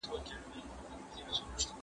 پرون مي خپل ملګري ته یو خط ولیکه.